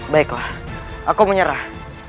baiklah aku menyerah